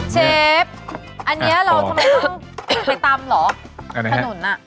เชฟอันเนี้ยเราทำไมต้องไปตำเหรออันไหนฮะขนุนอ่ะ